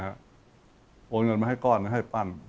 โอนเงินมาให้ก้อนให้ปั้น